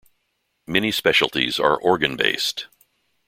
Many specialties are organ-based.